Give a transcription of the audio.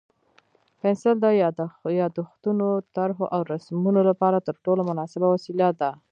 پنسل د یادښتونو، طرحو او رسمونو لپاره تر ټولو مناسبه وسیله ده.